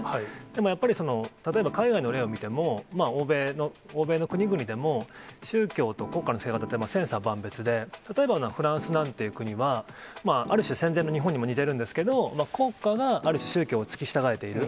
でもやっぱり、例えば海外の例を見ても、欧米の国々でも、宗教と国家の政策とは千差万別で、例えばフランスなんていう国は、ある種戦前の日本にも似てるんですけど、国家が、ある種、宗教を付き従えている。